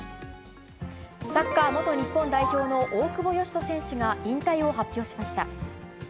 サッカー元日本代表の大久保嘉人選手が引退を発表しました。